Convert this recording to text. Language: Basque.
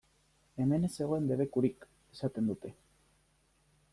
Hemen ez zegoen debekurik!, esaten dute.